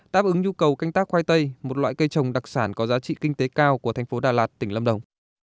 đáp ứng nhu cầu canh tác khoai tây một loại cây trồng đặc sản có giá trị kinh tế cao của thành phố đà lạt tỉnh lâm đồng